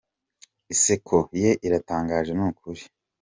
Iseko ye iratangaje nukuri.